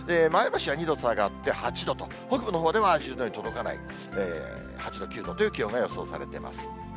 前橋は２度下がって、８度と、北部のほうでは１０度に届かない、８度、９度という気温が予想されています。